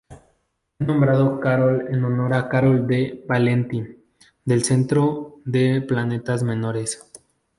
Fue nombrado Carol en honor a Carol D. Valenti, del Centro de Planetas Menores.